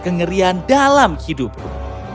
kengerian dalam hidupku